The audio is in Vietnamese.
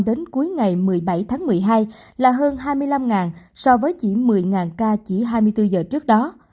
đến cuối ngày một mươi bảy tháng một mươi hai là hơn hai mươi năm so với chỉ một mươi ca chỉ hai mươi bốn giờ trước đó